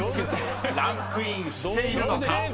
［ランクインしているのか？］